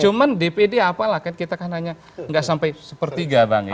cuma dpd apalah kan kita kan hanya nggak sampai sepertiga bang ya